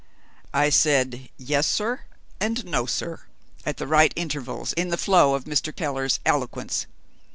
I said, "Yes, sir," and "No, sir," at the right intervals in the flow of Mr. Keller's eloquence.